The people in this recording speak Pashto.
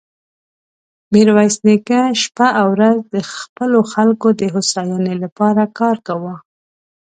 ميرويس نيکه شپه او ورځ د خپلو خلکو د هوساينې له پاره کار کاوه.